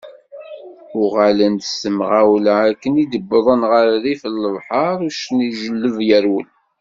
Uγalen-d s temγawla, akken i d-wwḍen γer rrif n lebḥeṛ, uccen ijelleb yerwel.